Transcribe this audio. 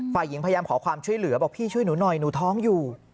ฝ่ายหญิงพยายามขอความช่วยเหลือบอกพี่ช่วยหนูหน่อยหนูท้องอยู่